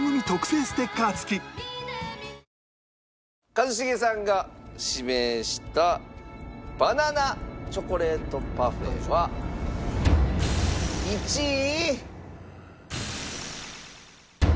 一茂さんが指名したバナナチョコレートパフェは１位。